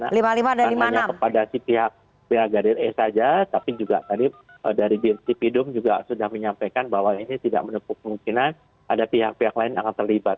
bukan hanya kepada si pihak pihak gadir e saja tapi juga tadi dari tipidum juga sudah menyampaikan bahwa ini tidak menepuk kemungkinan ada pihak pihak lain yang akan terlibat